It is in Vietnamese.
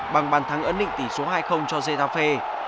bằng bàn thắng ấn định tỷ số hai cho zafet